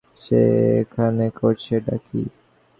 সে এখানে করছেটা কি?